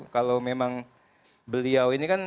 kalau memang beliau ini kan